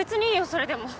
それでも。